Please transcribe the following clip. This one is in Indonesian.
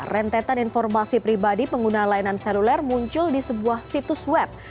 rentetan informasi pribadi pengguna layanan seluler muncul di sebuah situs web